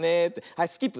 はいスキップ。